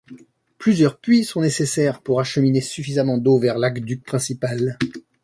Plusieurs puits sont nécessaires pour acheminer suffisamment d'eau vers l'aqueduc principal.